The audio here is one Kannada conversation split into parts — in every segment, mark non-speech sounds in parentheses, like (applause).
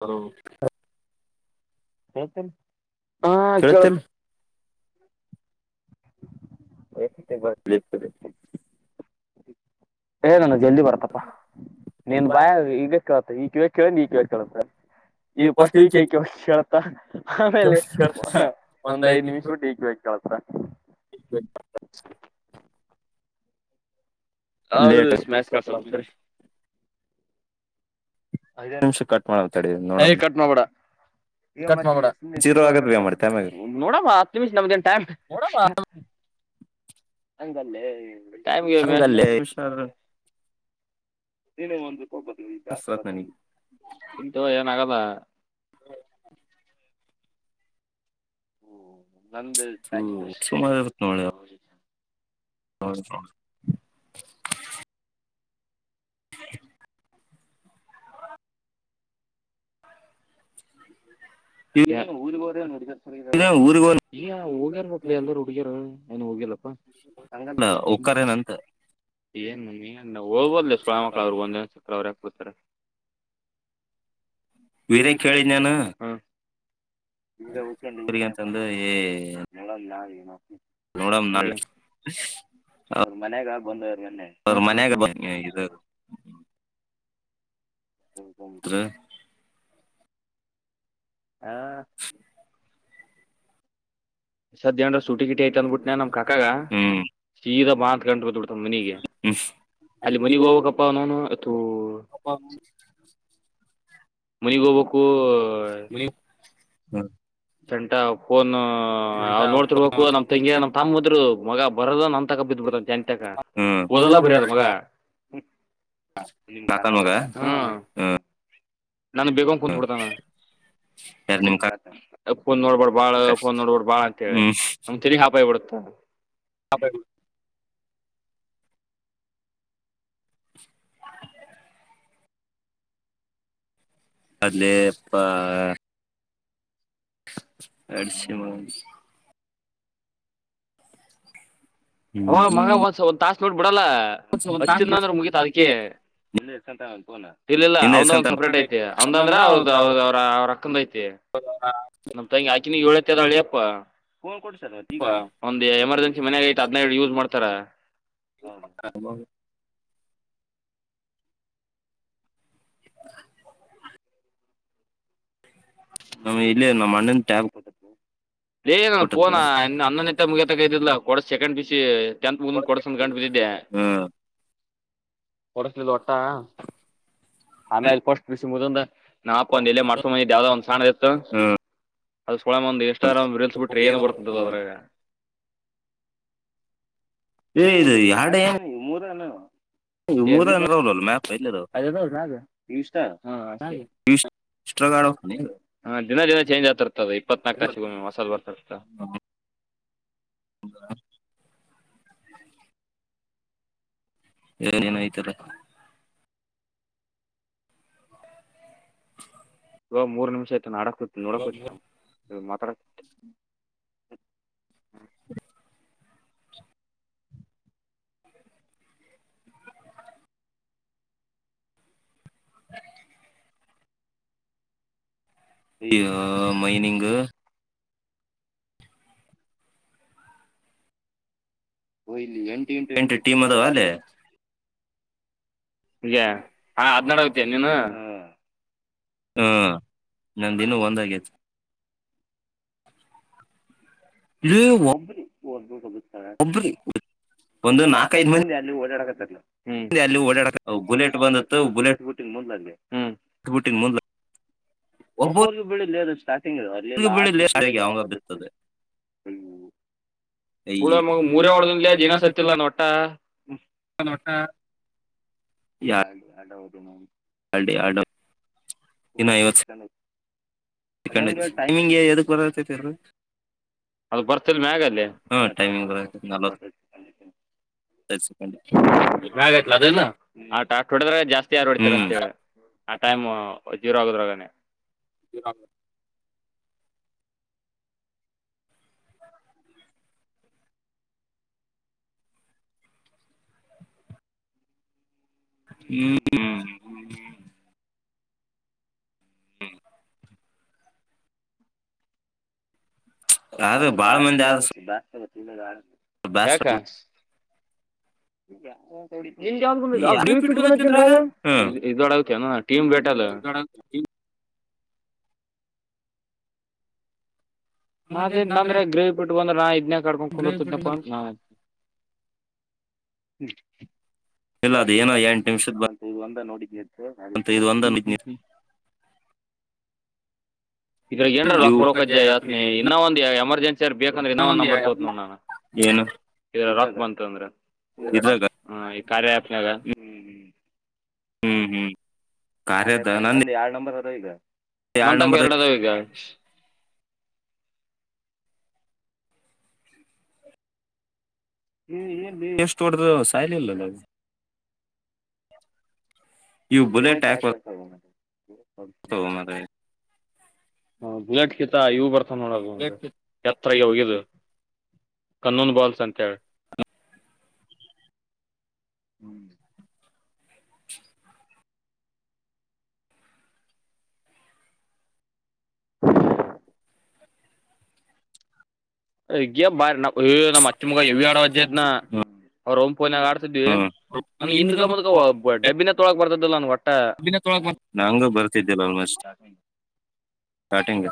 ಹಲೋ ಕೇಳುತ್ತೇನ್ ಹೂ ಕೇಳುತ್ತೆ. ಹ ನಿಗ್ತದೆ. ಹೇ ಜಲ್ದಿ ಬರ್ತಪ್ಪಾ ನೀನ್ ಭಯ ಈಗ ಕೇಳತ್ತ ಈ ಕಿವಿ! ಕೇಳ ನೀ ಕೇಳತ್ತ ಇ ಫಸ್ಟ್ ಈಗ ಕೆ ಕೇಳುತ್ತಾ ಆಮೇಲೆ ಒಂದ್ ಐದ್ ನಿಮಿಷ ಬಿಟ್ಟು ಕೇಳ್ತಾ ಲೇಟ್ ಐದೇ ನಿಮಿಷ ಕಟ್ ಮಾಡತರ್ಬೋದು ಏ ಕಟ್ ಮಾಡ್ಬೇಡ. ಮತ್ತ ಸುಮ್ಮನೆ ಜೀರೋ ಆ ನೋಡ ಹತ್ತು ನಿಮಿಷ ನಮ್ದಟ್ ಹಂಗಲ್ಲೇ ಹಂಗಲ್ಲೇ ಹುಷಾರ್ ನೀನ್ನೇ ಒಂದು ಹಷ್ಟವತ್ ನನಗೆ. ನಗದಾ ಹ್ಮ ಹಓ ನಮ್ದ ಟೈಮ್ ವೇಸ್ಟ್ ಹಾ (unintelligible) ಹ (inaudible) ಏನ್ ಊರಿಗೆ ಹೋಗೋದೇ ನೋಡಿಲ್ಲ ಸರ್ ಇವರೆಲ್ರೂನು ಹೋಗಿರ್ಬೇಕು ಎಲ್ಲರೂ ಹುಡುಗೀರು ಏನು ಹೋಗಿಲ್ಲ ಓಕಾರ ಏನಂತ ಏನ್ ನಮಗೇನು ಹೋಗಬಹುದು ಸುಳ ಮಕ್ಳ ಅವರು ಬಂದ ಸಿಕ್ರೆ ಅವ್ರೆ ಕುತ್ರ ವೀರೇ ಕೇಳಿದ ಏನ್ (unintelligible) ನೋಡ್ ನಾಳೆ ಹ ಅವ್ರ ಮನ್ಯಾಗ ಬರ್ತೀನಿ ಇದು (inaudible) ಹಾ ಸದ್ಯರು ಸುಟಿ ಗಿಟಿ ಅಂದ್ಬಿಟ್ಟನೆ ನಮ್ ಕಕಾಗ ಸೀದಾ ಮಾತ್ ಗಂಟು ಬಿಡ್ ಮನಿಗೆ ಅಲ್ಲಿ ಮನಗ್ ಹೋಗ್ಬೇಕಪ್ಪ ಅವನೌನು ಅಪ್ಪ (unintelligible) ಮದ್ವಿ ಹೋಗ್ಬೇಕು ಹಾ ಫೋನು ಹ ಅವ್ ನೋಡ್ತಿರ್ಬೇಕು ನಮ ತಂಗಿ ನ್ ತಮ್ಮದ್ರು ಮಗ ಬರದ ನಂತಕ ಬಿದ್ಬಿಡ್ಬೇಕಾ ಸಂತಾನಕ ಓದತ ಬರೆಯದ ಮಗ ನಿಮ್ ಕಕ ಮಾಗ ನ ಬೇಕ್ಂತ ಕುತ್ ಬಿಡ್ತನ ಯಾರಿನ್ ಕಾಕನ ಯಪ್ಪಾ ನೋಡ್ಬ ಬಾಳಫೋಂದ್ ನೋಡ್ಬಡ್ ಬಾಳ ಅಂತ ಹೇಳಿ ಅಮ ತಲಿ ಹಾಪಾಯ್ ಬಿಡುತ್ತ (inaudible) (inaudible) ಯಪ್ಪಾ ಅಡಶಿ ಓ ಮಗ ಓತ್ಸು ಒಂದು ತಾಸ್ ಬಿಟ್ ನೋಡು ನೋಡಲ್ಲ ಹಚ್ಚಿಂದ ಅಂದ್ರೆ ಮುಗತ ಅದಕ್ಕೆೆ ಇಲಿಲ್ಲ ಅವಂದ್ಂದು ಸಪ್ರೇಟ್ ಐತೆ ಅವನಂದ್ರ ಅವ್ರ್ದ ಅವ ಅವ್ರ ಅವ್ರ ಅಕ್ಕಂದ ಐತಿ ನಮ್ ತಂಗಿ ಆಕೆಗೆ ಏಳುತ್ತೇನೆ ಎಂದಾಳೆ ಅಪ್ಪ ಫೋನ್ ಕೊಡ್ಸೇರ ಈಗ ಒಂದು ಎಮರ್ಜೆನ್ಸಿ ಮನೆ ಆ ಅದನ್ನೇ ಯೂಸ್ ಮಾಡ್ತಾರಾ (inaudible) ನಮ್ ಇಲ್ಲಿ ನಮ್ಮ ಅಣ್ಣನ್ ತ್ಯಾಬ್ ಏ ನಾನನ್ ಪೋನಾ ಹನ್ನೋದಂತಿ ಮುಗಿಯತಾಗ ಇದ್ದಿಲ್ಲ ಕೊಡ ಸಕೆಂಡ್ ಪಿಸಿ ಟೆಂತ್ ಮುಗ ಕೊಡಸ ಅ ಗಂಡು ಬಿದ್ದೆ ಹ್ಮ ಕೊಡ್ತೀನಿಲ್ಲ ಒಟ್ಟ ಆಮೇಲೆ ಪಸ್ಟ್ ಪಿಯುಸಿ ಮುಗದಿಂದ - ನಾಲ್ಕ ಒಂದ ಇಲ್ಲೇ ಮಾಡಿಸಿಕೊಂಡ ಬಂದಿದ್ದೆ ಯಾವ್ದೋ ಒಂದ್ ಸಣ್ಣದ ಇತ್ತ. (unintelligible) ಎಷ್ಟರ ರೀಲ್ಸ್ ಬಿಟ್ರ ಏನು ಬರ್ತದ ಆದ್ರಗ. ಏ ಇದ್ ಎರಡು ಏನು ಮೂರನೇ ಮೂರ ಅಂದ್ರಲ ಮ್ಯಾಪ್ ಐದನೆದು ಎಷ್ಟ್ರಗಾಡ (unintelligible) ಹಾ ದಿನ ದಿನ ಚೇಂಜ್ ಆಗ್ತಿರ್ತದ ಇಪ್ಪತ್ನಾಲ್ಕ ತಾಸಿಗ ಮಸಲೆ ಬರ್ತಿರ್ತ ಹ ಏನ್ ಏನ್ ಐತೆ ರೀ ಹ ಮೂರು ನಿಮಿಷ ಆಯತಾ ಆಡಕ್ ಹೊಯ್ತೆ ನೋಡಕ್ ಹೊಯ್ತೀನಿ ಮಾತಾಡಕ್ (unintelligible) ಯೋ ಮೈನಿಂಗ್ ಓ ಇಲ್ಲಿ ಎಂಟು ಇಂಟು ಎಂಟ ಟೀಮ ಅದಾವ ಅಲ್ಲೇ. ಈಗ ಹಾ ಅದನ್ನ ಆಡಾತಿ ಏನ್ ನೀನು ಹಾ ನಂದ ಇನ್ನು ಒಂದ ಆಗೇತಿ. ಏ ಒಬ್ಬ ನೀ (inaudible) ಹ ಒಂದು ನಾಲ್ಕೈಐದು ಮಂದಿ ಅಲ್ಲಿ ಓಡ್ಯಾಡಾಕ ಅಲ್ಲಿ ಓಡಾಡಾಕ್ ಅವು ಬುಲೆಟ್ ಬಂದಿತ್ತ ಬುಲೆಟ್ ಇಟ್ಟಿಬಿಟ್ಟಿನಿ ಮುಂದ. ಒಬ್ಬ್ರಗೂ ಬಿಳಇಲ್ಲೇ ಅದ. (inaudible) (inaudible) ಅಲ್ಲಿ ಲಾಸ್ಟ್ ಜೂಲೈಗ ಯಾವಾಗ (inaudible) ಹುಳೆ ಮಗಂದ ಮೂರ ಹೊಡಡೆನ್ಲೆ ಅದ ಇನ್ನ ಸತ್ತಿಲ್ಲ ಒಟ್ಟ. ಲ್ಲ ಒಟ್ಟ ಯಾರ (unintelligible) ಇನ್ನ ಐವತ್ತು ಟನ್ ಆಯ್ತಿ ಅದಹೆಂಗ್ ಟೈಮಿಂಗ್ ಏನ ಎದಕ್ಕ ಬಂದೇತಿ. ಅದು ಬರ್ತಿಲ್ ಮ್ಯಾಗ. ಹ್ಮ ಟೈಮಿಂಗ್ ಆದ ನಲವತ್ತುಐದು ಸೆಕೆಂಡ. ಜಾಗ ಆಯ್ತಿ ಅದಇಲ್ಲೋ ಅಟ್ಟ ಹೋಡದ್ರ ಜಾಸ್ತಿ ಯಾರ ಹೊಡಿತಾರ ಅಂತೇಳಿ ಆ ಟೈಮ್ ಝೀರೋ ಆಗೋದ್ರಗಾನೇ (unintelligible) ಹ್ಮ್ ಹ್ಮ - ಅದು ಬಾಳ ನಿಂದ ಆದ (inaudible) ಯಾಕ. (inaudible) ನಿನ್ ಯಾವ್ದ ಬಂದದ ಆ ಗ್ರೀನ್ ಪಿಟ್ಟ ಬಂದತ್ತ ಅಂದ್ರ ಇದು ಆಡಾತಿಏನು. ಟೀಮ ಬ್ಯಾಟಲ್. ನಾನ್ ಗೆದ್ನಿ ಅಂದ್ರ ಗ್ರೇವಿ ಬಿಟ್ಟು ಬಂದ್ರ ನಾ ಇದ್ನ ಕರಕೊಂಡ ಕುಂದರತಿದ್ನಿ ಪಾ ಅಂತ ನಾ. ಹ್ಮ ಇಲ್ಲ ಅದ ಏನೋ ಎಂಟ ದಿವಸದ ಅಂತದು ಒಂದ ನೋಡಿ - (inaudible) ಹ್ಮ್ ಹ್ಮ್. ಇದರಾಗ ಏನರ ರೊಕ್ಕ ಬರ್ಬೇಕ್ ಅಜ್ಜ ಹೇಳ್ತೀನಿ ಇನ್ನ ಒಂದ ಎಮರ್ಜೆನ್ಸಿ ಸರ್ ಬೇಕಂದ್ರ ಇನ್ನ ಒಂದ ನಂಬರ್ ತೊಗೊತೆನ್ ನೋಡ ನಾನ ಇದ್ರಾಗ ರೊಕ್ಕ ಬಂತಂದ್ರ. ಇದ್ರಾಗ್ ಈ ಕಾರ್ಯ ಆಪ್ನಾಗ ಹ್ಮ ಹ್ಮ. ಹ್ಮ್ ಹ್ಮ್. ಕಾರ್ಯದ ನಂದ ಯಾಡ್ ನಂಬರ್ ಅದಾವ ಈಗ ನಂತೇಕು ಎರಡು ಅದಾವ ಈಗ. ನೀ ಏನ್ ನೀ ಎಷ್ಟು ದೊಡ್ಡದ ಅದ (inaudible) (unintelligible) ಹೋಗೋ ಮಾರಾಯ. ಹ ಬುಲೆಟ್ ಕಿತ್ತ ಇವು ಬರ್ತಾವ ನೋಡ ಎತ್ರಿಗ ವಗಿಯುದ. ಕನ್ನುನ್ ಬಾಲ್ಸ್ ಅಂತ ಹೇಳಿ. (unintelligible) ಹ್ಮ್ (inaudible) (unintelligible) ಬಾರಿ ಏ ನಮ್ಮ ಅತ್ತಿ ಮಗ ಎವಿ ಆಡ ವಜ್ಜಿದ್ನ ಅವ್ರ ಪೋನ್ನ್ಯಾಗ ಆಡತಿದ್ದೀ. ನನ್ ಹಿಂದ್ಕ ಮುಂದ್ಕ ಡಬ್ಬಿನ ತೊಗೊಲಾಕ್ ಬರ್ತಿದ್ದಿಲಿಲ್ಲ ನಂಗ ಒಟ್ಟ. (unintelligible) ಸ್ಟಾರ್ಟಿಂಗ್.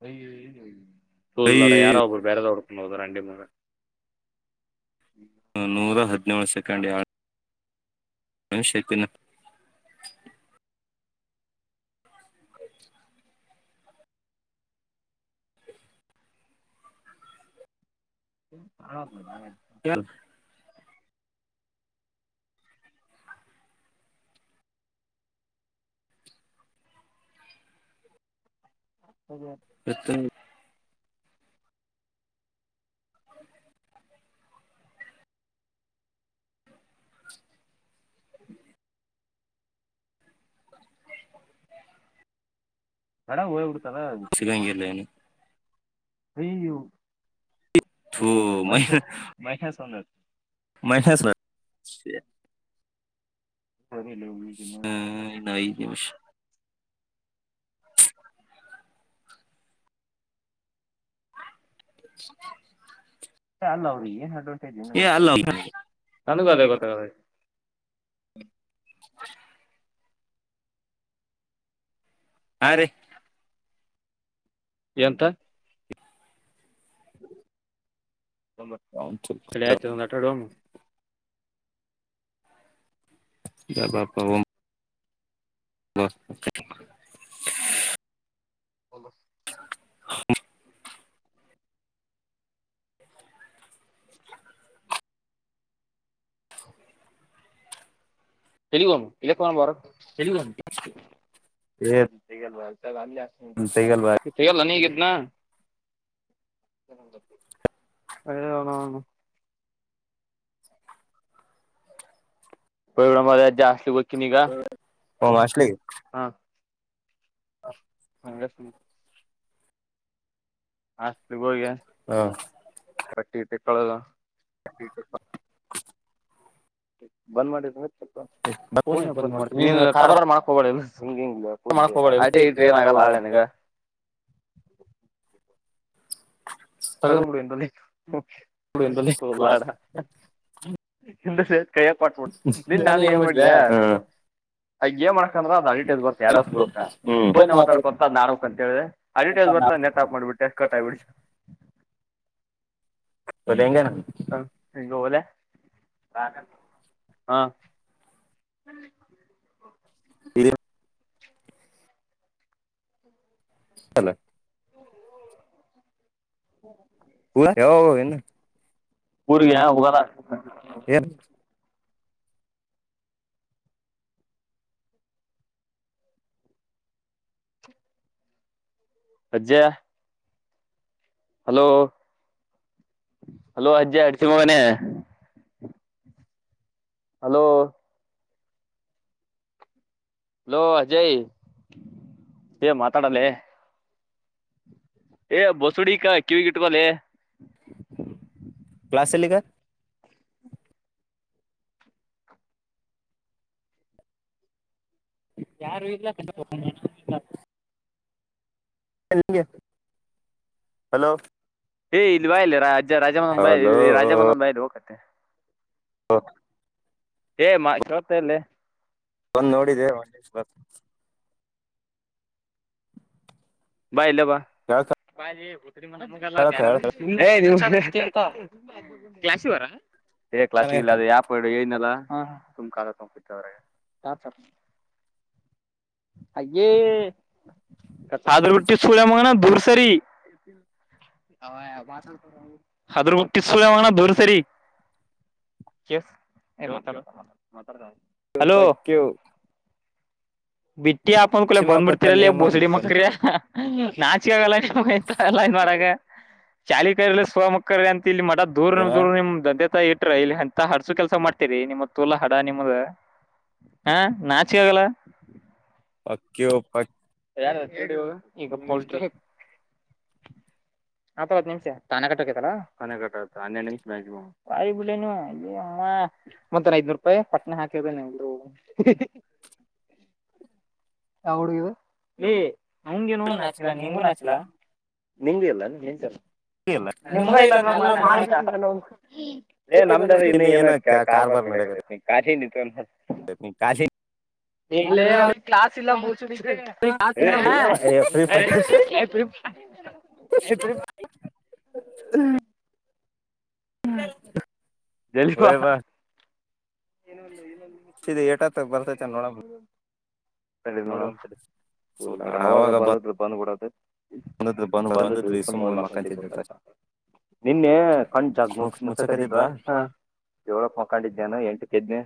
(unintelligible) ಯಾರಒಬ್ಬರು ಬರೆದಾವ್. (unintelligible) ನೂರಾ ಹದಿನೇಳಸೆಕೆಂಡ್ ಯಾ (unintelligible) (inaudible) ಎನ್ ಅದ (unintelligible) ಹತ್ತ (inaudible) ಚಣ ಹೋಗೆಬಡ್ತಲ್ಲ ಅಯ್ಯೇ. ತು ಮ ಮ ರ (unintelligible) ಸರಿ ಹ್ಮ್ ಇನ್ ಐದ್ ನಿಮಿಷ್. (inaudible) ಅಲ್ಲ ಅವ್ರಿಗ್ ಏನ್ ಅಡ್ವಾಂಟೇಜ್ ಏನು ಗೊತ್ತಾಗಲ್ಲ, ನನಗೂ ಅದೇ ಗೊತ್ತಾಗಲ್ಲ. (inaudible) ಹಾ ರೀ ಎಂತ (unintelligible) ತಡಿ ಆಯ್ತು ಇನ್ನೊಂದ್ ಆಟ ಹಾಡ್ ಹೋಗುಮ. ಯಾ ಬಾಪ್ಪ ಒಂ (inaudible) ಹಲೊ ಎಲ್ಲಿಗೆ ಹೋಗುಮ ಬ (unintelligible) ಎಲ್ಲಿಗ್ ಹೋಗುಮ ಹೆ (unintelligible) ಸಿಗಲ್ಲ ನಾ ನೀಗಿದ್ನ. (unintelligible) ಹೇಳೋ ಮಾರಾಯ ಜಾಸ್ತಿ ಹೊತ್ತ್ (unintelligible) ನಮ್ ಹಾಸ್ಲಿಗೆ. ಹಂಗ ಸು ಹಾಸ್ಲಿಗ್ ಹೋಗಿ ಹ್ಮು ಬಟ್ಟಿ ತಿಕ್ಕೊಳೋದು. (inaudible) ಬಂದ್ ಮಾಡಿದ ಬಂದ್ ಮಾಡ್ತಿ ನೀನ್ ಕಾರಾಬಾರ್ ಮಾಡ್ಲಿಕ್ಕೆ ಹಬ (unintelligible) ಸಿಂಗಿಂಗ್ ಪೂರ್ತಿ ಆಯ್ತಾ ಇಟ್ರಿ ಏನಾಗಲ್ಲ ಹಾಳೆನಗ. ತಗಲ್ಬಡುವಿಲ್ವಾಡ (unintelligible) ಇಲ್ಲಸೇ ಕೈಯ್ಯಕ್ ಕೊಟ್ಟಬಿಟ್ಟು ನಿನ್ ನಾನು ಏನ್ ಮಾಡಿದೆ ಅ ಗೇಮ್ ಮಾಡ್ಕೊಂಡು (unintelligible) ಯಾರೆ ಗೊತ್ತಾ ಫೋನಲ್ ಮಾತಾಡ್ಕೋತ (unintelligible) ಅಡ್ವಟೈಸ್ ಬಂತಂತ ನೆಟ್ ಆಫ್ ಮಾಡ್ಬಿಟ್ಟೆ ಕಟ್ ಬಿಡುಸ್ಕಾ. ಹ ಹಂಗ ಹೋದ ಹಾ (unintelligible) (inaudible) (inaudible) ಹಲೊ (inaudible) ಹು ಅ (unintelligible) ಊರ್ಗೆ ಹೋಗಲ್ಲ. ಅಜಜಯ ಹಲೋ ಹಲೋ ಅಜ್ಜಿ ಅಡ್ತಿಮ್ಮ ಮನೆ ಹಲೋ ಹಲೋ ಅಜಯ್ ದೆ ಮಾತಾಡಲೆ. ಏ ಬಸುಡಿಕ ಕಿವಿಗಿಟ್ಕೊಳ್ಳಲೇ. ಕ್ಲಾಸಲ್ಲಿಗ. ಯಾರು ಇಲ್ಲ ಕನ (unintelligible) ಇಲ್ಲ. (unintelligible) ಹಲೋ. ಏ ಇಲ್ಲಿ ಬಾ ಇಲ್ಲಿ ರಾಜ ರಾಜ ಬಂದನ್ ಬಾ ಇಲ್ಲಿ ರಾಜ ಬಂದನ್ ಬಾಯಿಲ್ಲಿ ಹೋಕತ್ತೆ. (inaudible) ಏ ಮಾ ಕವತಲ್ಲ ಒಂದು್ ನೋಡಿದ್ದೇ ಒಂಡೇಶ ಬತ್ ಬ ಇಲ್ಲ ಬ ಬ ಕ್ಲಾಸ್ರ ೇ ಕ್ಲಾಸ್ ಇಲ್ಲ ಅದ ಯಾ ಪಡು ಏನಲ್ಲ ಹಾ ಹಾ ತುಮ ಕಗತ್ತರ ಅೆ ತಾದರಬಟ್ಟಿ ಸೂಲ ಮನಾ ದೂರ್ಸರಿ ಹದರ್ ಮುುಕ್ತಿು ದರ ಸರಿ ತ ಮಾತಾಡ್ ಪಕು ಬಿಟ್ಟಿ ಅಪ್ಪಂದ ಕೂಲೆ ಬಂದ್ ಬಿಿಡ್ತೀರಲ್ಲಿ ಬೋಸಡಿ ಮಕ್ಕ ನಾಚಕೆಾಗೆಲ್ಲಲ್ಲ ಇ ಮರಾಗ ಚಾಲಿಿಕರ್ಲ್ಲ ಸಿವ ಮುಖರ್ ಅಂತ ಇ ಮ ದೂರ್ ದೂ ನಿಮ್ದೆ ಇಟ್ರ ಇಲ್ಲಿ ಎಂತ ಹಡ್ಸ ಕೆಲ್ಸ ಮಾಡ್ತೀರಿ ನಿಮ್ಮ ತೂಲಾ ಹಡ ನಿಮ್ದ ಹ ನಾಚಿಕಾಗಲ ಪಕ್ಕು ಯಾರ ಹತ್ತವ ನಿಮಿಷ ತಾನ ಕೈತಾರ ತ ಹೆಡು ನಿಮ ಹ ಮತ್ತನ್ ಐದ್ನೂರು ರೂಪಾಯಿ ಪಟ್ನ ಹಾಕಿದನೆ ಎಲ್ರು ಹಗ ಏ ನಮಗೆೇನು ನಾಚಿಲ್ಲ ನಿಮಗೂ ನಾಚಿಲ್ಲ ನಿಂಗ್ು ಇಲ್ಲಾ ನೀ ಹೆನ್ಸ ಏ ನಮ್ದಾರ ಇನ್ನು ಏನು ಕಾಶಿ ಹ ಅವ್ರಿಗೆ ಕ್ಲಾಸ್ ಇಲ್ಲ ಶುಕ್ರ ಹ್ಮ ಜಲ್ಲಿಪ ಸರಿ ಎಟ ತ್ತ ಹ ಹ ನೋಡಿ ಒ ಉಲ್ಲಾಡ ಅವಾಗ ಬಂದಿದ್ರು ಬಂದ್ಬ ಬಿಡದ ಬಂದ ಮಕ್ಕಳ ತಬೇಕತ ನಿನ್ನೆ ಕಣ್ ಜಾಗ ಮು ಮುಸಕದಿದ್ ಹ ಯಳಪ್ಪ ಹಕೊಂಡಿದ್ದೇನ ಎ ಕೆದನ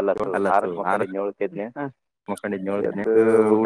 ಅಲ್ಲ ಆರಕ್ ಮಕ್ಕಂಡಏಳು ಕೆದನ ಎದ್ದು ಊಟ